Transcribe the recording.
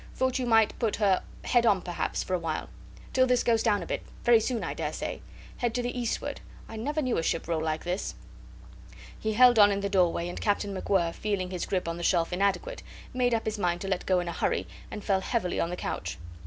Thought you might put her head on perhaps for a while. Till this goes down a bit very soon, I dare say. Head to the eastward. I never knew a ship roll like this." He held on in the doorway, and Captain MacWhirr, feeling his grip on the shelf inadequate, made up his mind to let go in a hurry, and fell heavily on the couch.